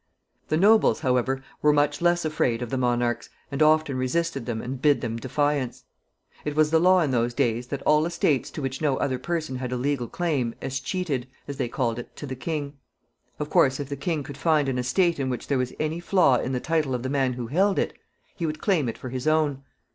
The nobles, however, were much less afraid of the monarchs, and often resisted them and bid them defiance. It was the law in those days that all estates to which no other person had a legal claim escheated, as they called it, to the king. Of course, if the king could find an estate in which there was any flaw in the title of the man who held it, he would claim it for his own.